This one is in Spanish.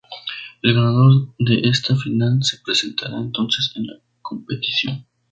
El ganador de esta final se presentará entonces a la competición.